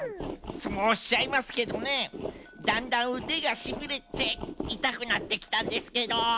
そうおっしゃいますけどねだんだんうでがしびれていたくなってきたんですけど。